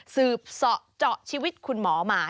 สืบเสาะเจาะชีวิตคุณหมอมา